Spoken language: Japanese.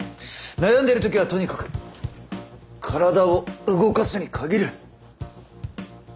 悩んでる時はとにかく体を動かすに限る。